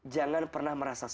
jangan pernah berpikir pikir